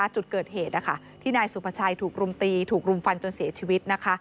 จุดเกิดเหตุที่นายสุภาชัยถูกรุมตีถูกรุมฟันจนเสียชีวิตนะคะ